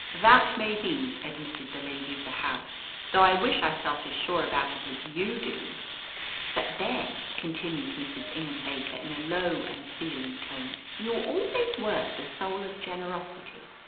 "That may be," admitted the lady of the house, "though I wish I felt as sure about it as you do." "But then," continued Mrs. Ingham Baker, in a low and feeling tone, "you always were the soul of generosity."